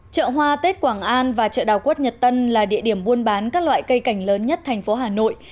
chợ hoa tết quảng an và chợ đào quất nhật tân là địa điểm buôn bán các loại cây cảnh lớn nhất thành phố hà nội